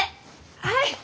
はい！